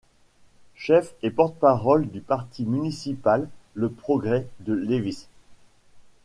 Chef et porte-parole du parti municipal Le Progrès de Lévis.